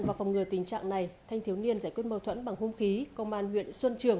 và phòng ngừa tình trạng này thanh thiếu niên giải quyết mâu thuẫn bằng hung khí công an huyện xuân trường